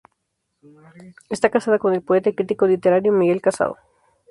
Esta casada con el poeta y crítico literario Miguel Casado.